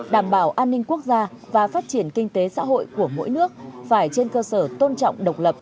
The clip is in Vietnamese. đảm bảo an ninh quốc gia và phát triển kinh tế xã hội của mỗi nước phải trên cơ sở tôn trọng độc lập